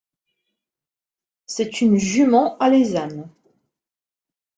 C'est une jument alezane.